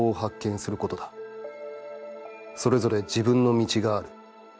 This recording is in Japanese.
それぞれ自分の道がある。